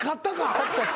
勝っちゃって。